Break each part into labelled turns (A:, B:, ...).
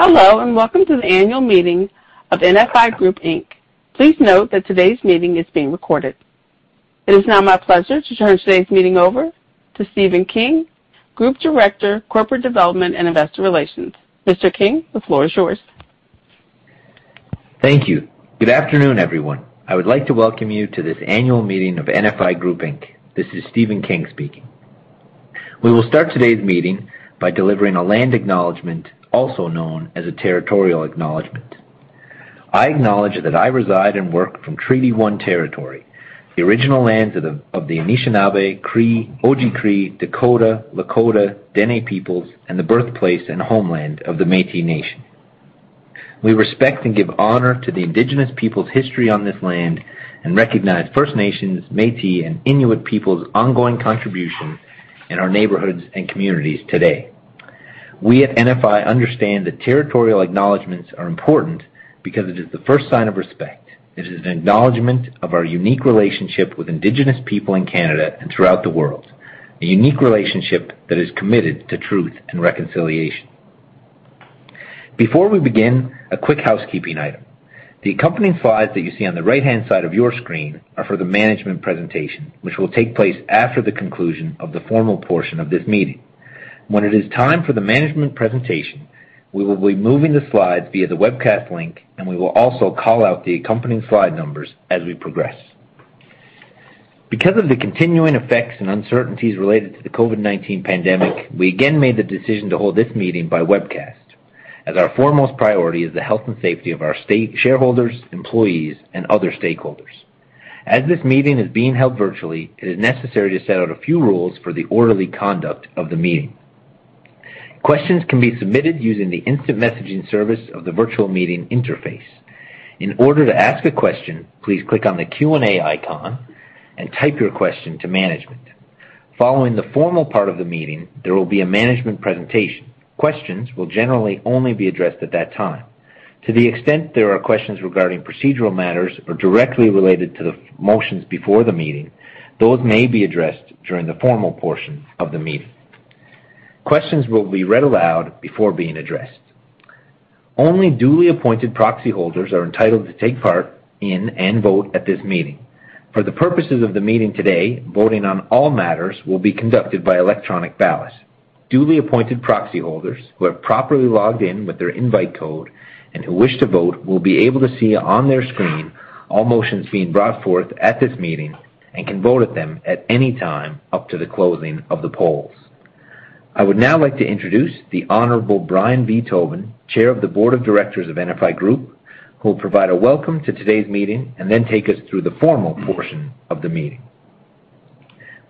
A: Hello and welcome to the annual meeting of NFI Group Inc. Please note that today's meeting is being recorded. It is now my pleasure to turn today's meeting over to Stephen King, Group Director, Corporate Development and Investor Relations. Mr. King, the floor is yours.
B: Thank you. Good afternoon, everyone. I would like to welcome you to this annual meeting of NFI Group, Inc. This is Stephen King speaking. We will start today's meeting by delivering a land acknowledgement, also known as a territorial acknowledgement. I acknowledge that I reside and work from Treaty One territory, the original lands of the Anishinaabe, Cree, Oji-Cree, Dakota, Lakota, Dene peoples, and the birthplace and homeland of the Métis Nation. We respect and give honor to the Indigenous peoples' history on this land and recognize First Nations, Métis, and Inuit peoples' ongoing contribution in our neighborhoods and communities today. We at NFI understand that territorial acknowledgments are important because it is the first sign of respect. It is an acknowledgment of our unique relationship with Indigenous people in Canada and throughout the world, a unique relationship that is committed to truth and reconciliation. Before we begin, a quick housekeeping item. The accompanying slides that you see on the right-hand side of your screen are for the management presentation, which will take place after the conclusion of the formal portion of this meeting. When it is time for the management presentation, we will be moving the slides via the webcast link, and we will also call out the accompanying slide numbers as we progress. Because of the continuing effects and uncertainties related to the COVID-19 pandemic, we again made the decision to hold this meeting by webcast, as our foremost priority is the health and safety of our stakeholders, shareholders, employees, and other stakeholders. As this meeting is being held virtually, it is necessary to set out a few rules for the orderly conduct of the meeting. Questions can be submitted using the instant messaging service of the virtual meeting interface. In order to ask a question, please click on the Q&A icon and type your question to management. Following the formal part of the meeting, there will be a management presentation. Questions will generally only be addressed at that time. To the extent there are questions regarding procedural matters or directly related to the motions before the meeting, those may be addressed during the formal portion of the meeting. Questions will be read aloud before being addressed. Only duly appointed proxy holders are entitled to take part in and vote at this meeting. For the purposes of the meeting today, voting on all matters will be conducted by electronic ballot. Duly appointed proxy holders who have properly logged in with their invite code and who wish to vote will be able to see on their screen all motions being brought forth at this meeting and can vote at them at any time up to the closing of the polls. I would now like to introduce the Honorable Brian V. Tobin, Chair of the Board of Directors of NFI Group, who will provide a welcome to today's meeting and then take us through the formal portion of the meeting.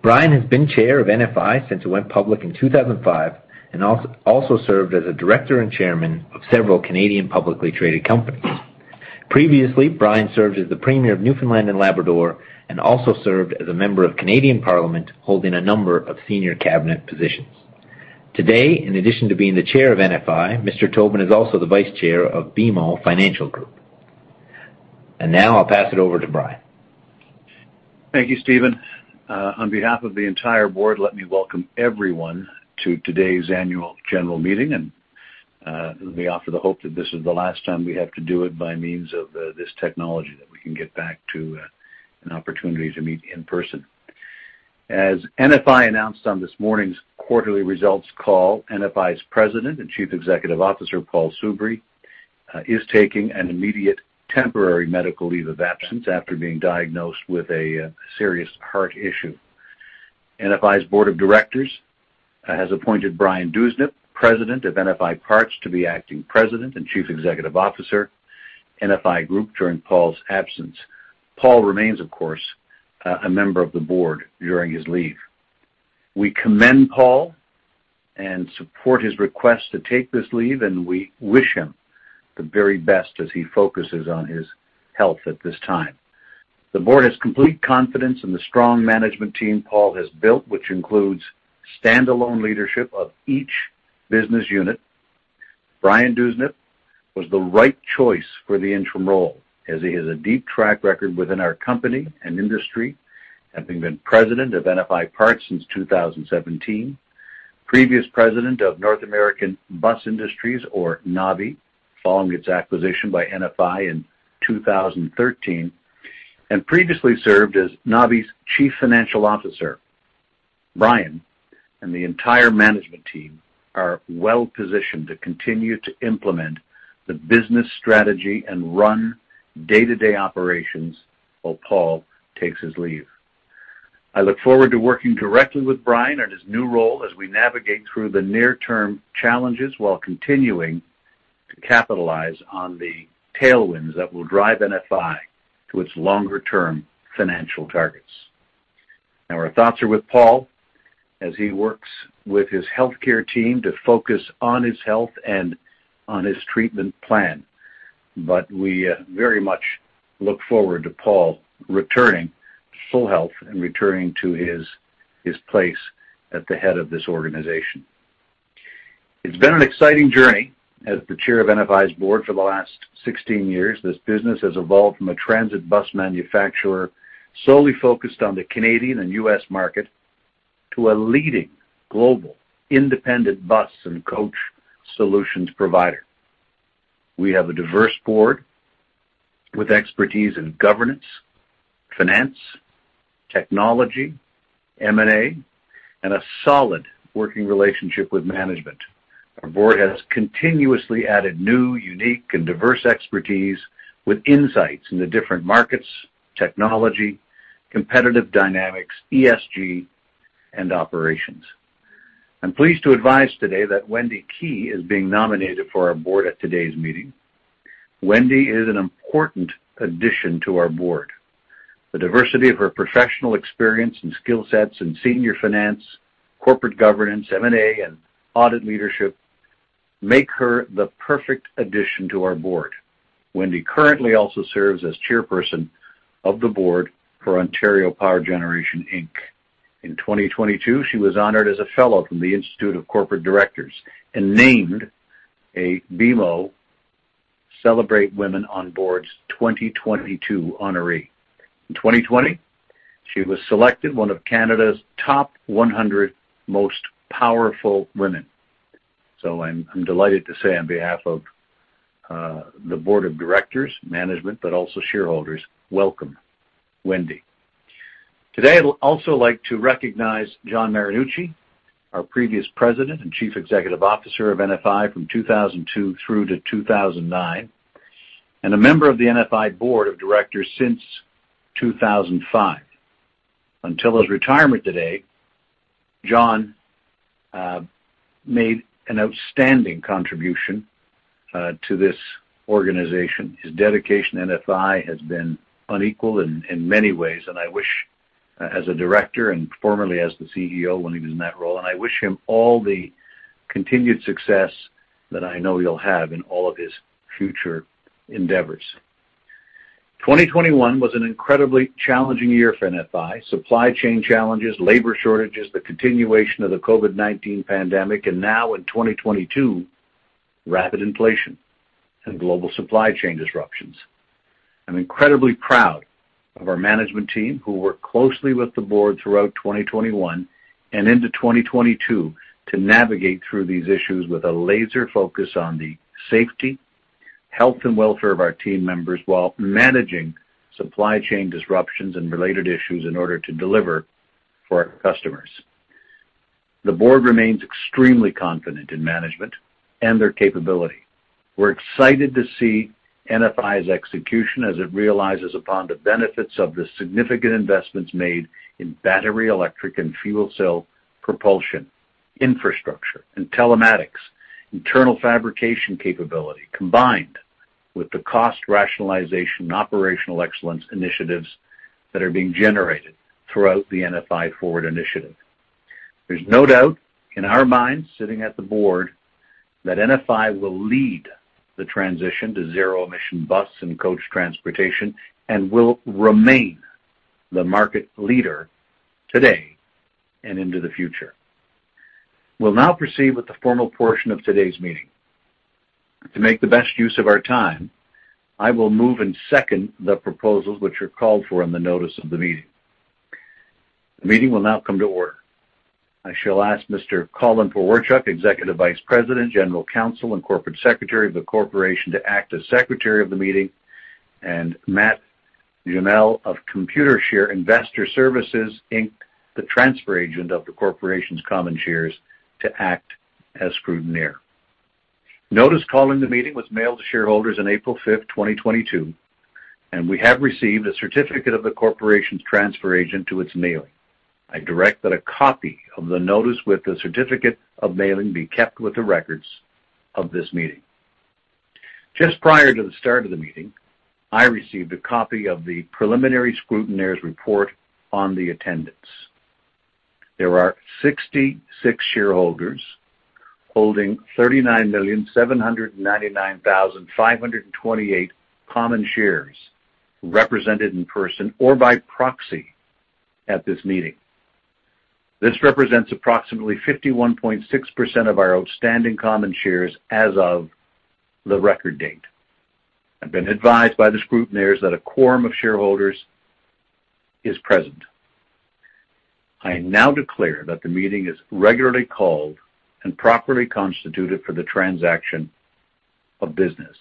B: Brian has been Chair of NFI since it went public in 2005 and also served as a director and chairman of several Canadian publicly traded companies. Previously, Brian served as the Premier of Newfoundland and Labrador and also served as a member of Canadian Parliament, holding a number of senior cabinet positions. Today, in addition to being the chair of NFI, Mr. Tobin is also the vice chair of BMO Financial Group. Now I'll pass it over to Brian.
C: Thank you, Stephen. On behalf of the entire board, let me welcome everyone to today's annual general meeting. We offer the hope that this is the last time we have to do it by means of this technology that we can get back to an opportunity to meet in person. As NFI announced on this morning's quarterly results call, NFI's President and Chief Executive Officer, Paul Soubry, is taking an immediate temporary medical leave of absence after being diagnosed with a serious heart issue. NFI's Board of Directors has appointed Brian Dewsnup, President of NFI Parts, to be acting President and Chief Executive Officer, NFI Group, during Paul's absence. Paul remains, of course, a member of the board during his leave. We commend Paul and support his request to take this leave, and we wish him the very best as he focuses on his health at this time. The board has complete confidence in the strong management team Paul has built, which includes standalone leadership of each business unit. Brian Dewsnup was the right choice for the interim role as he has a deep track record within our company and industry, having been President of NFI Parts since 2017, previous president of North American Bus Industries or NABI, following its acquisition by NFI in 2013, and previously served as NABI's Chief Financial Officer. Brian and the entire management team are well-positioned to continue to implement the business strategy and run day-to-day operations while Paul takes his leave. I look forward to working directly with Brian in his new role as we navigate through the near-term challenges while continuing to capitalize on the tailwinds that will drive NFI to its longer-term financial targets. Now, our thoughts are with Paul as he works with his healthcare team to focus on his health and on his treatment plan. We very much look forward to Paul returning to full health and returning to his place at the head of this organization. It's been an exciting journey as the chair of NFI's board for the last 16 years. This business has evolved from a transit bus manufacturer solely focused on the Canadian and U.S. market to a leading global independent bus and coach solutions provider. We have a diverse board with expertise in governance, finance, technology, M&A, and a solid working relationship with management. Our board has continuously added new, unique and diverse expertise with insights into different markets, technology, competitive dynamics, ESG, and operations. I'm pleased to advise today that Wendy Kei is being nominated for our board at today's meeting. Wendy is an important addition to our board. The diversity of her professional experience and skill sets in senior finance, corporate governance, M&A, and audit leadership make her the perfect addition to our board. Wendy currently also serves as Chairperson of the Board for Ontario Power Generation, Inc. In 2022, she was honored as a fellow from the Institute of Corporate Directors and named a BMO Celebrating Women on Boards 2022 honoree. In 2020, she was selected one of Canada's top 100 most powerful women. I'm delighted to say on behalf of the board of directors, management, but also shareholders, welcome, Wendy. Today, I'd also like to recognize John Marinucci, our previous President and Chief Executive Officer of NFI from 2002 through to 2009, and a member of the NFI Board of Directors since 2005. Until his retirement today, John made an outstanding contribution to this organization. His dedication to NFI has been unparalleled in many ways, and I wish as a director and formerly as the CEO when he was in that role, and I wish him all the continued success that I know he'll have in all of his future endeavors. 2021 was an incredibly challenging year for NFI. Supply chain challenges, labor shortages, the continuation of the COVID-19 pandemic, and now in 2022, rapid inflation and global supply chain disruptions. I'm incredibly proud of our management team, who worked closely with the board throughout 2021 and into 2022 to navigate through these issues with a laser focus on the safety, health and welfare of our team members while managing supply chain disruptions and related issues in order to deliver for our customers. The board remains extremely confident in management and their capability. We're excited to see NFI's execution as it realizes upon the benefits of the significant investments made in battery, electric and fuel cell propulsion, infrastructure and telematics, internal fabrication capability, combined with the cost rationalization and operational excellence initiatives that are being generated throughout the NFI Forward initiative. There's no doubt in our minds, sitting at the board, that NFI will lead the transition to zero-emission bus and coach transportation and will remain the market leader today and into the future. We'll now proceed with the formal portion of today's meeting. To make the best use of our time, I will move and second the proposals which are called for in the notice of the meeting. The meeting will now come to order. I shall ask Mr. Colin Pewarchuk, Executive Vice President, General Counsel, and Corporate Secretary of the Corporation, to act as Secretary of the meeting, and Matt Gemmell of Computershare Investor Services, Inc, the transfer agent of the corporation's common shares, to act as scrutineer. Notice calling the meeting was mailed to shareholders in April 5th, 2022, and we have received a certificate of the corporation's transfer agent to its mailing. I direct that a copy of the notice with the certificate of mailing be kept with the records of this meeting. Just prior to the start of the meeting, I received a copy of the preliminary scrutineer's report on the attendance. There are 66 shareholders holding 39,799,528 common shares represented in person or by proxy at this meeting. This represents approximately 51.6% of our outstanding common shares as of the record date. I've been advised by the scrutineers that a quorum of shareholders is present. I now declare that the meeting is regularly called and properly constituted for the transaction of business.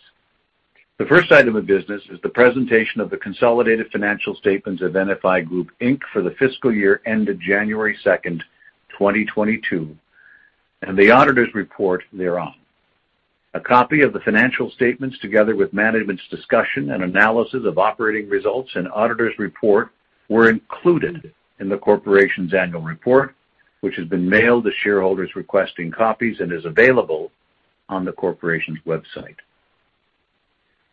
C: The first item of business is the presentation of the consolidated financial statements of NFI Group Inc for the fiscal year ended January 2nd, 2022, and the auditor's report thereon. A copy of the financial statements, together with management's discussion and analysis of operating results and auditor's report, were included in the corporation's annual report, which has been mailed to shareholders requesting copies and is available on the corporation's website.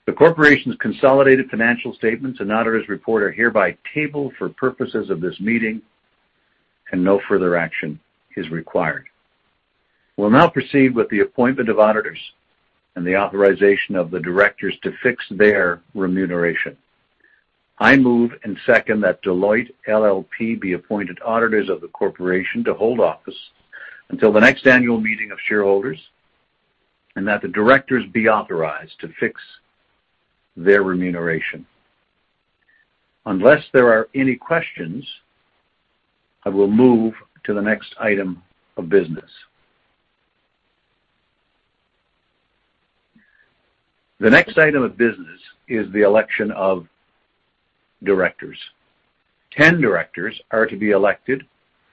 C: The corporation's consolidated financial statements and auditor's report are hereby tabled for purposes of this meeting and no further action is required. We'll now proceed with the appointment of auditors and the authorization of the directors to fix their remuneration. I move and second that Deloitte LLP be appointed auditors of the corporation to hold office until the next annual meeting of shareholders, and that the directors be authorized to fix their remuneration. Unless there are any questions, I will move to the next item of business. The next item of business is the election of directors. 10 directors are to be elected,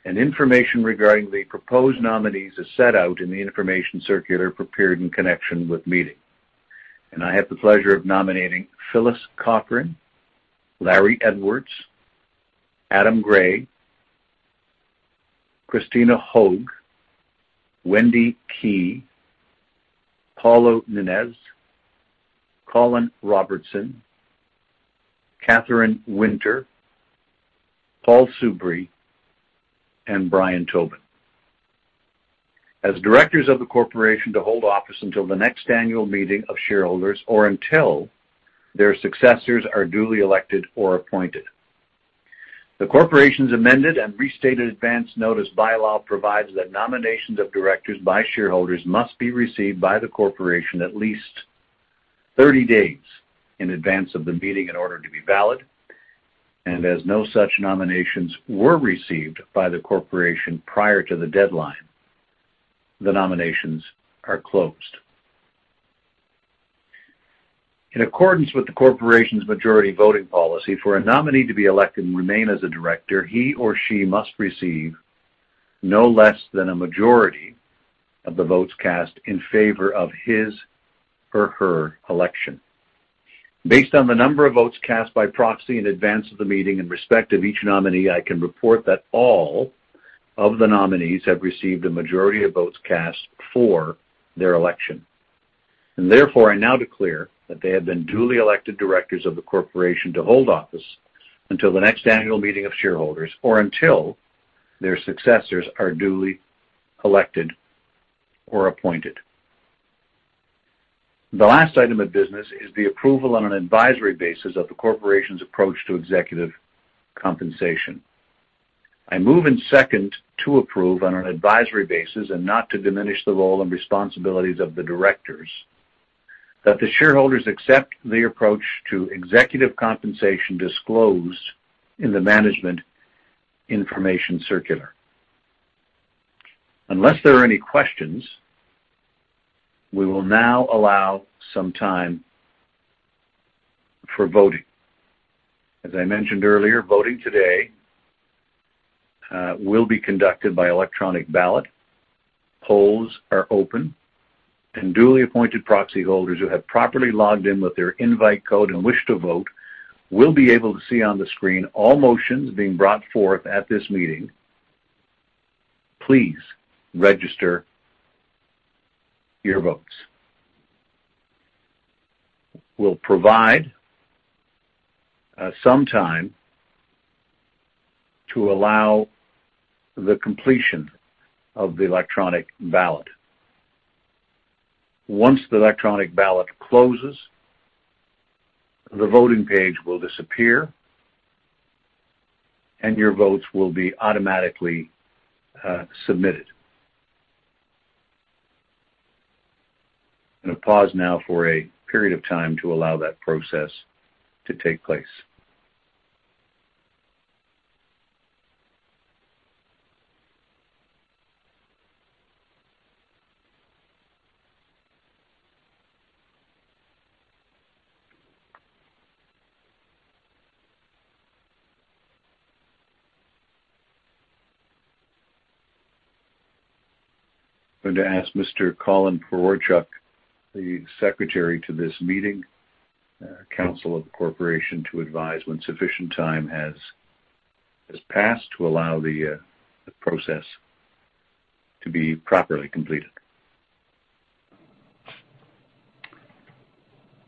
C: and information regarding the proposed nominees is set out in the information circular prepared in connection with meeting. I have the pleasure of nominating Phyllis Cochran, Larry Edwards, Adam Gray, Krystyna Hoeg, Wendy Kei, Paulo Nunes, Colin Robertson, Katherine Winter, Paul Soubry, and Brian Tobin as directors of the corporation to hold office until the next annual meeting of shareholders or until their successors are duly elected or appointed. The corporation's amended and restated advance notice bylaws provides that nominations of directors by shareholders must be received by the corporation at least 30 days in advance of the meeting in order to be valid. As no such nominations were received by the corporation prior to the deadline, the nominations are closed. In accordance with the corporation's majority voting policy, for a nominee to be elected and remain as a director, he or she must receive no less than a majority of the votes cast in favor of his or her election. Based on the number of votes cast by proxy in advance of the meeting in respect of each nominee, I can report that all of the nominees have received a majority of votes cast for their election. Therefore, I now declare that they have been duly elected directors of the corporation to hold office until the next annual meeting of shareholders or until their successors are duly elected or appointed. The last item of business is the approval on an advisory basis of the corporation's approach to executive compensation. I move and second to approve on an advisory basis and not to diminish the role and responsibilities of the directors that the shareholders accept the approach to executive compensation disclosed in the management information circular. Unless there are any questions, we will now allow some time for voting. As I mentioned earlier, voting today will be conducted by electronic ballot. Polls are open, and duly appointed proxy holders who have properly logged in with their invite code and wish to vote will be able to see on the screen all motions being brought forth at this meeting. Please register your votes. We'll provide some time to allow the completion of the electronic ballot. Once the electronic ballot closes, the voting page will disappear, and your votes will be automatically submitted. Gonna pause now for a period of time to allow that process to take place. I'm going to ask Mr. Colin Pewarchuk, the secretary to this meeting, counsel of the corporation, to advise when sufficient time has passed to allow the process to be properly completed.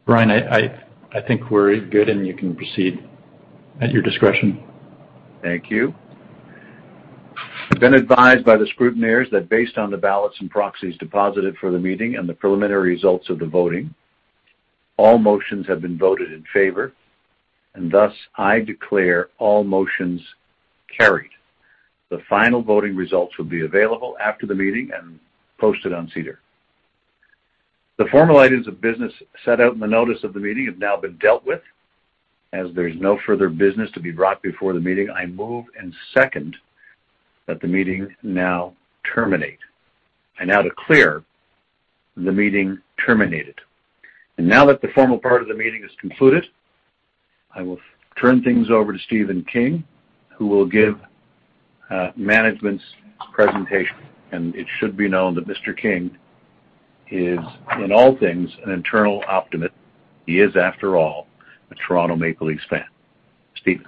B: Brian, I think we're good, and you can proceed at your discretion.
C: Thank you. I've been advised by the scrutineers that based on the ballots and proxies deposited for the meeting and the preliminary results of the voting, all motions have been voted in favor, and thus I declare all motions carried. The final voting results will be available after the meeting and posted on SEDAR. The formal items of business set out in the notice of the meeting have now been dealt with. As there is no further business to be brought before the meeting, I move and second that the meeting now terminate. I now declare the meeting terminated. Now that the formal part of the meeting is concluded, I will turn things over to Stephen King, who will give management's presentation. It should be known that Mr. King is, in all things, an eternal optimist. He is, after all, a Toronto Maple Leafs fan. Stephen.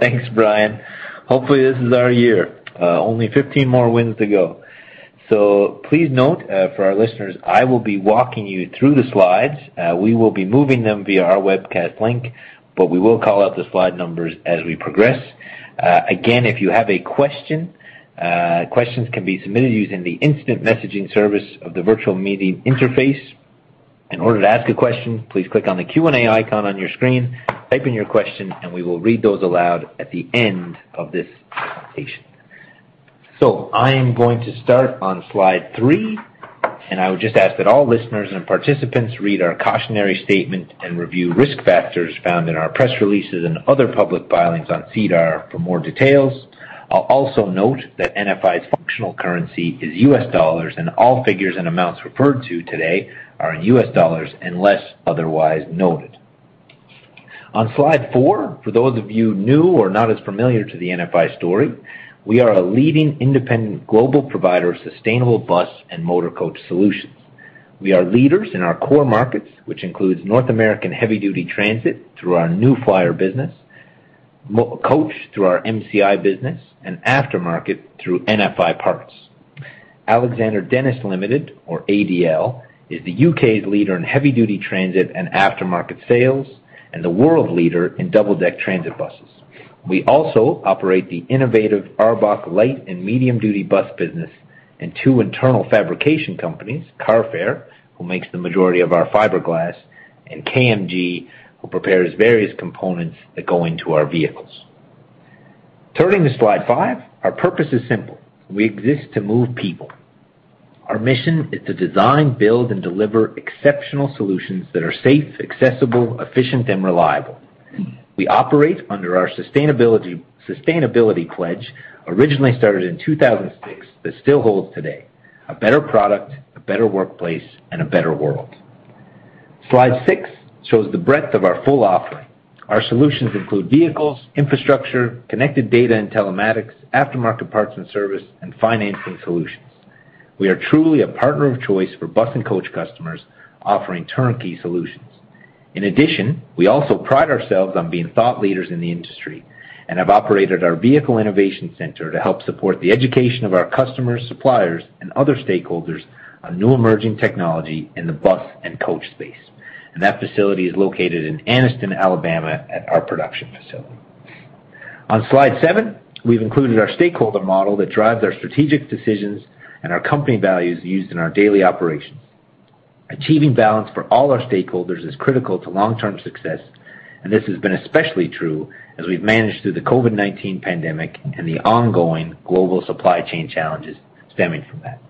B: Thanks, Brian. Hopefully, this is our year. Only 15 more wins to go. Please note, for our listeners, I will be walking you through the slides. We will be moving them via our webcast link, but we will call out the slide numbers as we progress. Again, if you have a question, questions can be submitted using the instant messaging service of the virtual meeting interface. In order to ask a question, please click on the Q&A icon on your screen, type in your question, and we will read those aloud at the end of this presentation. I am going to start on slide three, and I would just ask that all listeners and participants read our cautionary statement and review risk factors found in our press releases and other public filings on SEDAR for more details. I'll also note that NFI's functional currency is US dollars, and all figures and amounts referred to today are in US dollars unless otherwise noted. On slide four, for those of you new or not as familiar to the NFI story, we are a leading independent global provider of sustainable bus and motor coach solutions. We are leaders in our core markets, which includes North American heavy duty transit through our New Flyer business, motor coach through our MCI business, and aftermarket through NFI Parts. Alexander Dennis Limited, or ADL, is the U.K.'s leader in heavy duty transit and aftermarket sales and the world leader in double-deck transit buses. We also operate the innovative ARBOC light and medium-duty bus business and two internal fabrication companies, Carfair, who makes the majority of our fiberglass, and KMG, who prepares various components that go into our vehicles. Turning to slide five, our purpose is simple. We exist to move people. Our mission is to design, build, and deliver exceptional solutions that are safe, accessible, efficient, and reliable. We operate under our sustainability pledge, originally started in 2006, that still holds today. A better product, a better workplace, and a better world. Slide six shows the breadth of our full offering. Our solutions include vehicles, infrastructure, connected data and telematics, aftermarket parts and service, and financing solutions. We are truly a partner of choice for bus and coach customers offering turnkey solutions. In addition, we also pride ourselves on being thought leaders in the industry and have operated our Vehicle Innovation Center to help support the education of our customers, suppliers, and other stakeholders on new emerging technology in the bus and coach space. That facility is located in Anniston, Alabama, at our production facility. On slide seven, we've included our stakeholder model that drives our strategic decisions and our company values used in our daily operations. Achieving balance for all our stakeholders is critical to long-term success, and this has been especially true as we've managed through the COVID-19 pandemic and the ongoing global supply chain challenges stemming from that.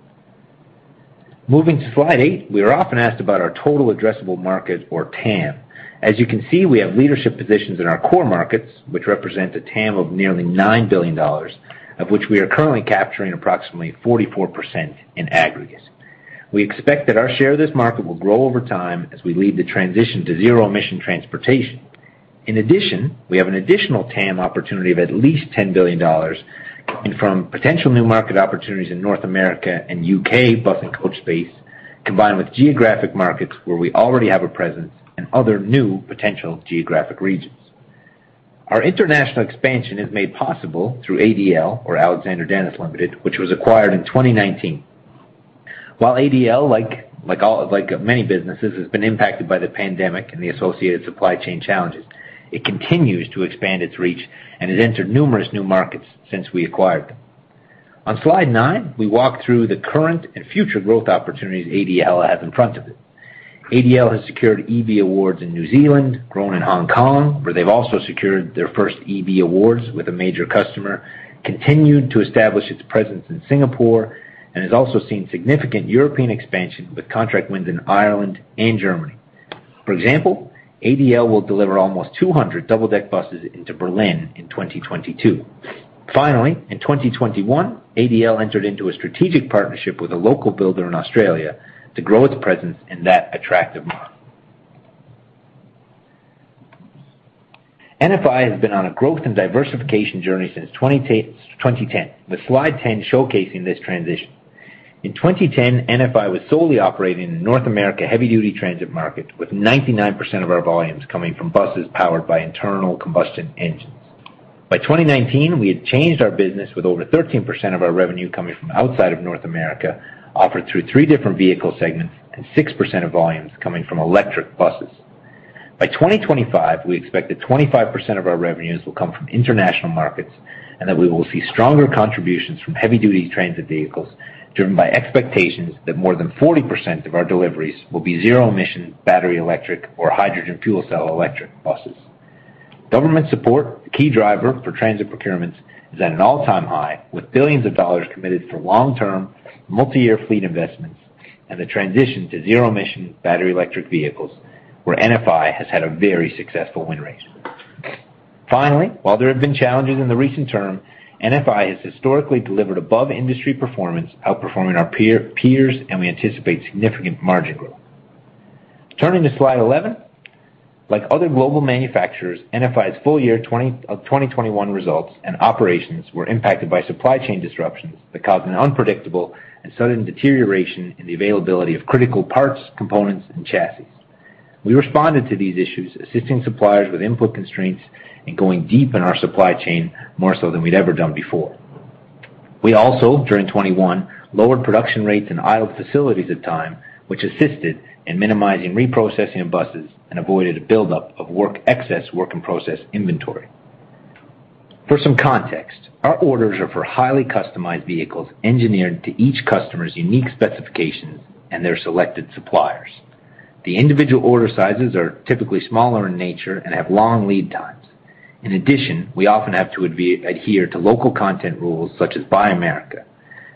B: Moving to slide eight, we are often asked about our total addressable market, or TAM. As you can see, we have leadership positions in our core markets, which represent a TAM of nearly $9 billion, of which we are currently capturing approximately 44% in aggregate. We expect that our share of this market will grow over time as we lead the transition to zero-emission transportation. In addition, we have an additional TAM opportunity of at least $10 billion from potential new market opportunities in North America and U.K. bus and coach space, combined with geographic markets where we already have a presence and other new potential geographic regions. Our international expansion is made possible through ADL, or Alexander Dennis Limited, which was acquired in 2019. While ADL, like many businesses, has been impacted by the pandemic and the associated supply chain challenges, it continues to expand its reach and has entered numerous new markets since we acquired them. On slide nine, we walk through the current and future growth opportunities ADL has in front of it. ADL has secured EV awards in New Zealand, grown in Hong Kong, where they've also secured their first EV awards with a major customer, continued to establish its presence in Singapore, and has also seen significant European expansion with contract wins in Ireland and Germany. For example, ADL will deliver almost 200 double-deck buses into Berlin in 2022. Finally, in 2021, ADL entered into a strategic partnership with a local builder in Australia to grow its presence in that attractive market. NFI has been on a growth and diversification journey since 2010, with slide 10 showcasing this transition. In 2010, NFI was solely operating in North America heavy-duty transit market, with 99% of our volumes coming from buses powered by internal combustion engines. By 2019, we had changed our business with over 13% of our revenue coming from outside of North America, offered through three different vehicle segments and 6% of volumes coming from electric buses. By 2025, we expect that 25% of our revenues will come from international markets and that we will see stronger contributions from heavy-duty transit vehicles driven by expectations that more than 40% of our deliveries will be zero-emission battery electric or hydrogen fuel cell electric buses. Government support, a key driver for transit procurements, is at an all-time high, with $ billions committed for long-term, multi-year fleet investments and the transition to zero-emission battery electric vehicles, where NFI has had a very successful win rate. Finally, while there have been challenges in the recent term, NFI has historically delivered above-industry performance, outperforming our peers, and we anticipate significant margin growth. Turning to slide 11, like other global manufacturers, NFI's full year 2021 results and operations were impacted by supply chain disruptions that caused an unpredictable and sudden deterioration in the availability of critical parts, components, and chassis. We responded to these issues, assisting suppliers with input constraints and going deep in our supply chain more so than we'd ever done before. We also, during 2021, lowered production rates and idled facilities at times, which assisted in minimizing reprocessing of buses and avoided a buildup of work, excess work in process inventory. For some context, our orders are for highly customized vehicles engineered to each customer's unique specifications and their selected suppliers. The individual order sizes are typically smaller in nature and have long lead times. In addition, we often have to adhere to local content rules such as Buy America.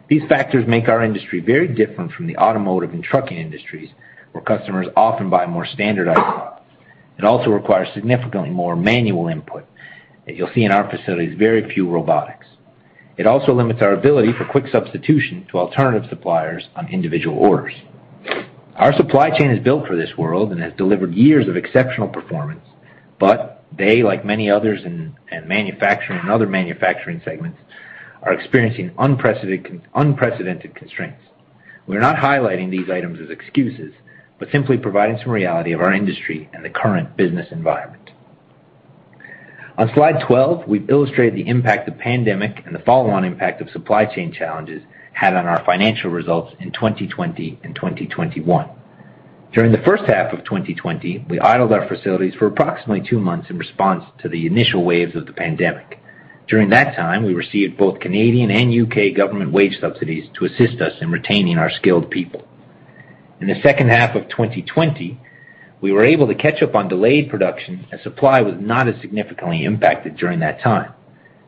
B: These factors make our industry very different from the automotive and trucking industries, where customers often buy more standardized products. It also requires significantly more manual input. As you'll see in our facilities, very few robotics. It also limits our ability for quick substitution to alternative suppliers on individual orders. Our supply chain is built for this world and has delivered years of exceptional performance, but they, like many others in manufacturing and other manufacturing segments, are experiencing unprecedented constraints. We're not highlighting these items as excuses, but simply providing some reality of our industry and the current business environment. On slide 12, we've illustrated the impact the pandemic and the follow-on impact of supply chain challenges had on our financial results in 2020 and 2021. During the first half of 2020, we idled our facilities for approximately two months in response to the initial waves of the pandemic. During that time, we received both Canadian and U.K. government wage subsidies to assist us in retaining our skilled people. In the second half of 2020, we were able to catch up on delayed production as supply was not as significantly impacted during that time.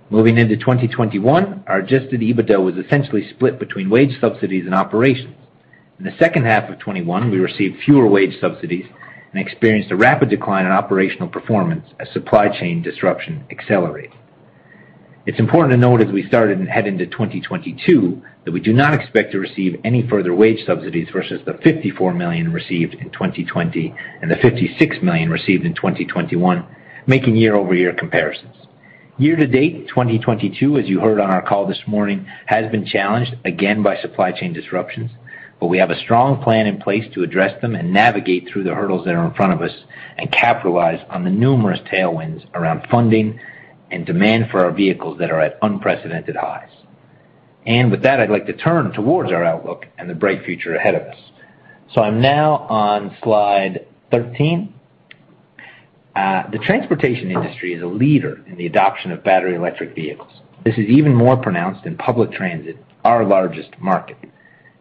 B: Moving into 2021, our adjusted EBITDA was essentially split between wage subsidies and operations. In the second half of 2021, we received fewer wage subsidies and experienced a rapid decline in operational performance as supply chain disruption accelerated. It's important to note as we started and head into 2022 that we do not expect to receive any further wage subsidies versus the $54 million received in 2020 and the $56 million received in 2021, making year-over-year comparisons. Year to date, 2022, as you heard on our call this morning, has been challenged again by supply chain disruptions, but we have a strong plan in place to address them and navigate through the hurdles that are in front of us and capitalize on the numerous tailwinds around funding and demand for our vehicles that are at unprecedented highs. With that, I'd like to turn towards our outlook and the bright future ahead of us. I'm now on slide 13. The transportation industry is a leader in the adoption of battery electric vehicles. This is even more pronounced in public transit, our largest market.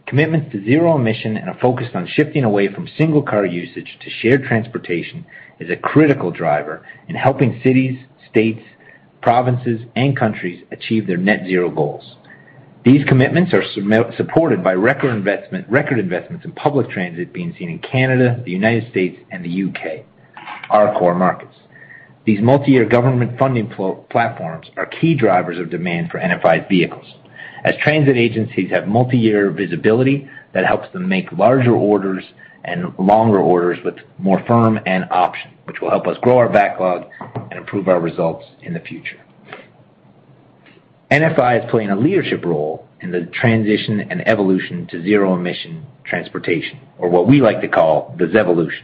B: Commitments to zero-emission and a focus on shifting away from single car usage to shared transportation is a critical driver in helping cities, states, provinces, and countries achieve their net zero goals. These commitments are supported by record investments in public transit being seen in Canada, the United States, and the U.K., our core markets. These multi-year government funding platforms are key drivers of demand for NFI's vehicles, as transit agencies have multi-year visibility that helps them make larger orders and longer orders with more firm and option, which will help us grow our backlog and improve our results in the future. NFI is playing a leadership role in the transition and evolution to zero-emission transportation, or what we like to call the ZEvolution.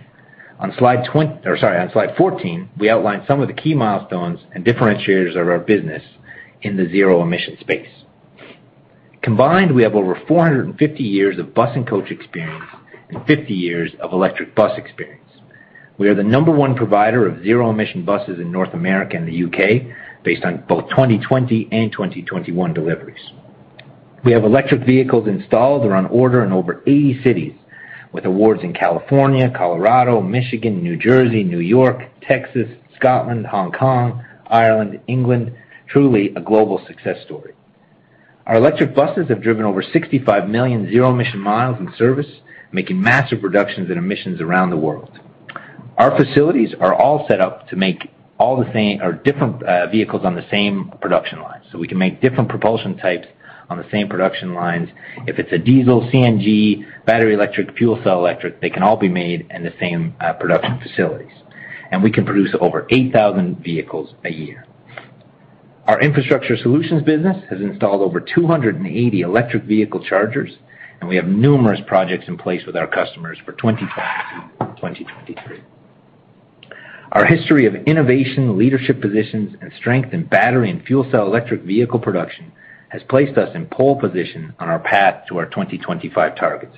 B: On slide 14, we outlined some of the key milestones and differentiators of our business in the zero-emission space. Combined, we have over 450 years of bus and coach experience and 50 years of electric bus experience. We are the number one provider of zero-emission buses in North America and the U.K. based on both 2020 and 2021 deliveries. We have electric vehicles installed or on order in over 80 cities, with awards in California, Colorado, Michigan, New Jersey, New York, Texas, Scotland, Hong Kong, Ireland, England, truly a global success story. Our electric buses have driven over 65 million zero-emission miles in service, making massive reductions in emissions around the world. Our facilities are all set up to make all the same or different vehicles on the same production line, so we can make different propulsion types on the same production lines. If it's a diesel, CNG, battery, electric, fuel cell electric, they can all be made in the same production facilities, and we can produce over 8,000 vehicles a year. Our infrastructure solutions business has installed over 280 electric vehicle chargers, and we have numerous projects in place with our customers for 2020 and 2023. Our history of innovation, leadership positions, and strength in battery and fuel cell electric vehicle production has placed us in pole position on our path to our 2025 targets,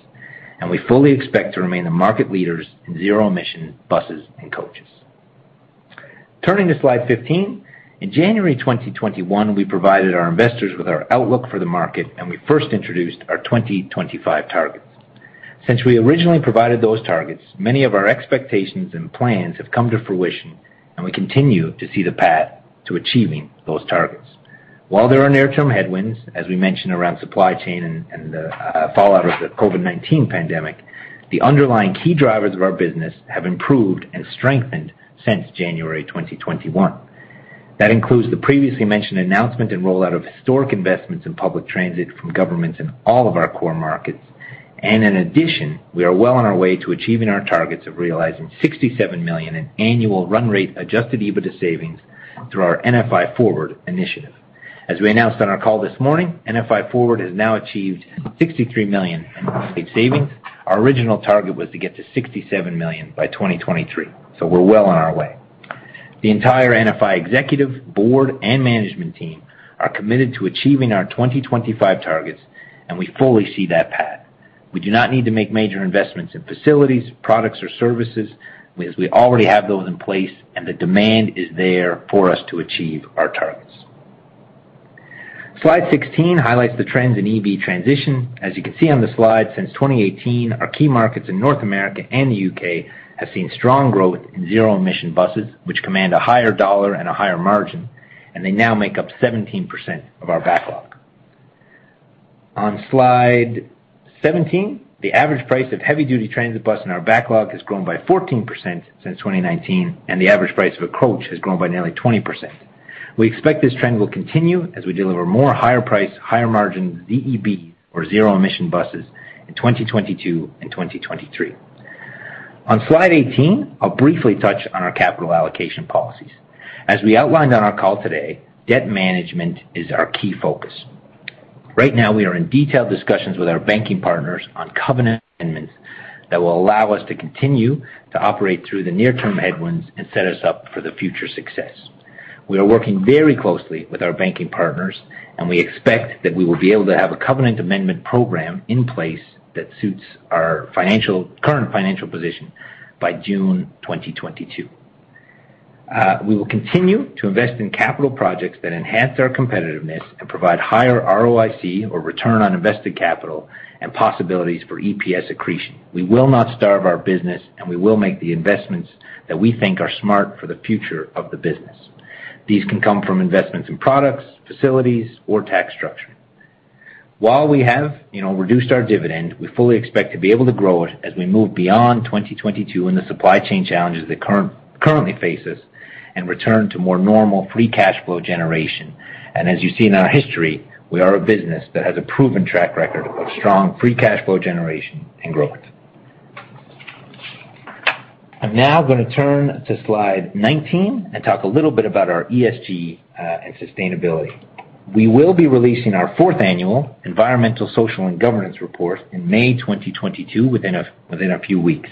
B: and we fully expect to remain the market leaders in zero-emission buses and coaches. Turning to slide 15, in January 2021, we provided our investors with our outlook for the market, and we first introduced our 2025 targets. Since we originally provided those targets, many of our expectations and plans have come to fruition, and we continue to see the path to achieving those targets. While there are near-term headwinds, as we mentioned around supply chain and fallout of the COVID-19 pandemic, the underlying key drivers of our business have improved and strengthened since January 2021. That includes the previously mentioned announcement and rollout of historic investments in public transit from governments in all of our core markets. In addition, we are well on our way to achieving our targets of realizing $67 million in annual run rate adjusted EBITDA savings through our NFI Forward initiative. As we announced on our call this morning, NFI Forward has now achieved $63 million in savings. Our original target was to get to $67 million by 2023, so we're well on our way. The entire NFI executive board and management team are committed to achieving our 2025 targets, and we fully see that path. We do not need to make major investments in facilities, products, or services as we already have those in place and the demand is there for us to achieve our targets. Slide 16 highlights the trends in EV transition. As you can see on the slide, since 2018, our key markets in North America and the U.K. have seen strong growth in zero-emission buses, which command a higher dollar and a higher margin, and they now make up 17% of our backlog. On slide 17, the average price of heavy duty transit bus in our backlog has grown by 14% since 2019, and the average price of a coach has grown by nearly 20%. We expect this trend will continue as we deliver more higher priced, higher margin ZEBs, or zero-emission buses, in 2022 and 2023. On slide 18, I'll briefly touch on our capital allocation policies. As we outlined on our call today, debt management is our key focus. Right now, we are in detailed discussions with our banking partners on covenant amendments that will allow us to continue to operate through the near-term headwinds and set us up for the future success. We are working very closely with our banking partners, and we expect that we will be able to have a covenant amendment program in place that suits our financial, current financial position by June 2022. We will continue to invest in capital projects that enhance our competitiveness and provide higher ROIC, or return on invested capital, and possibilities for EPS accretion. We will not starve our business, and we will make the investments that we think are smart for the future of the business. These can come from investments in products, facilities, or tax structure. While we have, you know, reduced our dividend, we fully expect to be able to grow it as we move beyond 2022 and the supply chain challenges that currently face us and return to more normal free cash flow generation. As you see in our history, we are a business that has a proven track record of strong free cash flow generation and growth. I'm now gonna turn to slide 19 and talk a little bit about our ESG and sustainability. We will be releasing our fourth annual environmental, social, and governance report in May 2022, within a few weeks.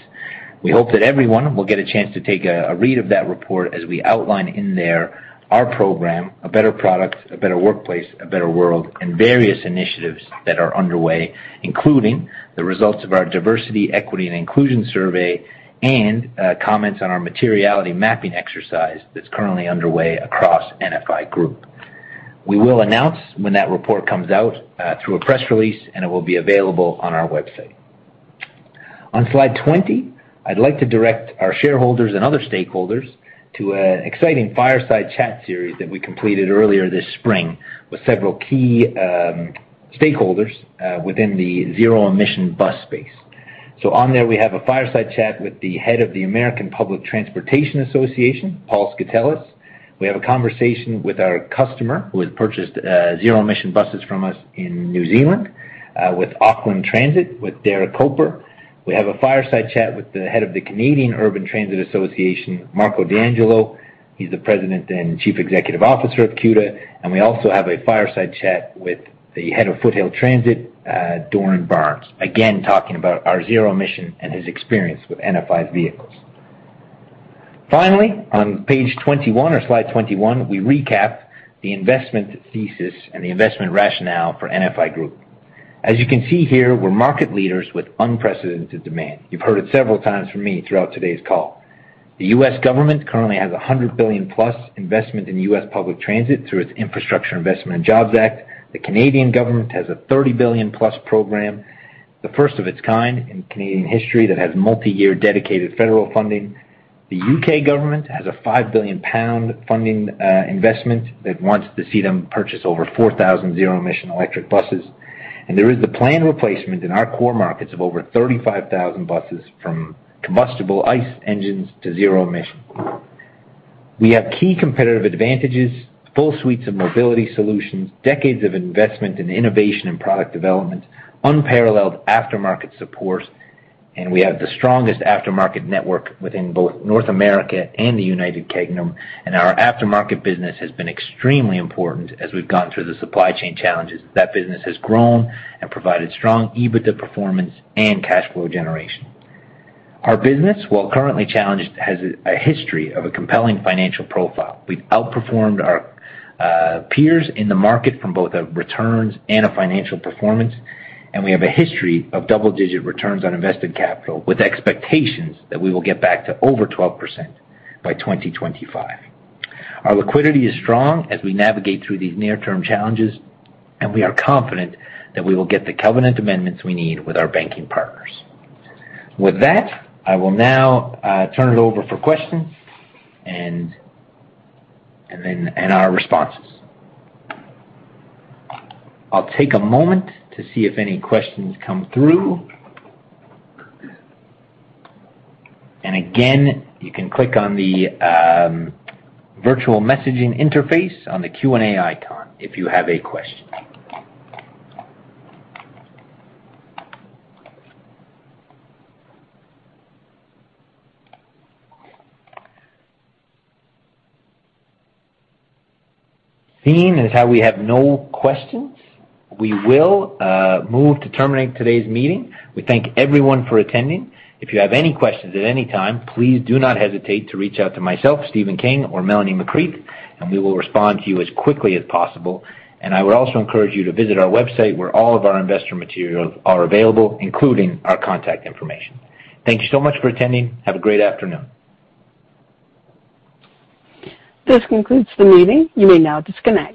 B: We hope that everyone will get a chance to take a read of that report as we outline in there our program, A Better Product, A Better Workplace, A Better World, and various initiatives that are underway, including the results of our diversity, equity, and inclusion survey and comments on our materiality mapping exercise that's currently underway across NFI Group. We will announce when that report comes out through a press release, and it will be available on our website. On slide 20, I'd like to direct our shareholders and other stakeholders to an exciting fireside chat series that we completed earlier this spring with several key stakeholders within the zero-emission bus space. On there, we have a fireside chat with the head of the American Public Transportation Association, Paul Skoutelas. We have a conversation with our customer who has purchased, zero-emission buses from us in New Zealand, with Auckland Transport, with Darek Koper. We have a fireside chat with the head of the Canadian Urban Transit Association, Marco D'Angelo. He's the President and Chief Executive Officer of CUTA. We also have a fireside chat with the head of Foothill Transit, Doran Barnes, again, talking about our zero-emission and his experience with NFI's vehicles. Finally, on page 21 or slide 21, we recap the investment thesis and the investment rationale for NFI Group. As you can see here, we're market leaders with unprecedented demand. You've heard it several times from me throughout today's call. The U.S. government currently has a $100 billion+ investment in U.S. public transit through its Infrastructure Investment and Jobs Act. The Canadian government has a $30 billion+ program, the first of its kind in Canadian history that has multi-year dedicated federal funding. The U.K. government has a 5 billion pound funding investment that wants to see them purchase over 4,000 zero-emission electric buses. There is the planned replacement in our core markets of over 35,000 buses from combustible ICE engines to zero emission. We have key competitive advantages, full suites of mobility solutions, decades of investment in innovation and product development, unparalleled aftermarket support, and we have the strongest aftermarket network within both North America and the United Kingdom, and our aftermarket business has been extremely important as we've gone through the supply chain challenges. That business has grown and provided strong EBITDA performance and cash flow generation. Our business, while currently challenged, has a history of a compelling financial profile. We've outperformed our peers in the market from both returns and financial performance, and we have a history of double-digit returns on invested capital with expectations that we will get back to over 12% by 2025. Our liquidity is strong as we navigate through these near-term challenges, and we are confident that we will get the covenant amendments we need with our banking partners. With that, I will now turn it over for questions and then our responses. I'll take a moment to see if any questions come through. Again, you can click on the virtual messaging interface on the Q&A icon if you have a question. Seeing as how we have no questions, we will move to terminate today's meeting. We thank everyone for attending. If you have any questions at any time, please do not hesitate to reach out to myself, Stephen King, or Melanie McCreath, and we will respond to you as quickly as possible. I would also encourage you to visit our website, where all of our investor materials are available, including our contact information. Thank you so much for attending. Have a great afternoon.
A: This concludes the meeting. You may now disconnect.